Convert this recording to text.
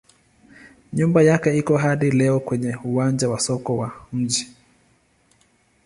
Nyumba yake iko hadi leo kwenye uwanja wa soko wa mji.